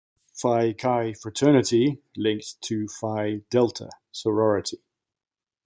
Phi Chi fraternity linked to Phi Delta sorority.